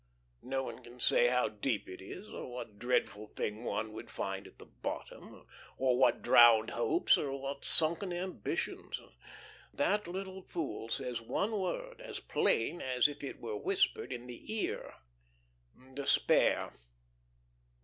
No one can say how deep it is, or what dreadful thing one would find at the bottom, or what drowned hopes or what sunken ambitions. That little pool says one word as plain as if it were whispered in the ear despair.